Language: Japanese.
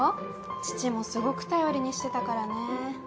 父もすごく頼りにしてたからね。